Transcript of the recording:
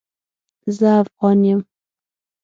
زه افغان يم